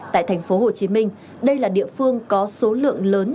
tại thành phố hồ chí minh đây là địa phương có số lượng lớn